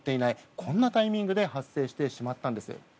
こんなタイミングで発生してしまったんです。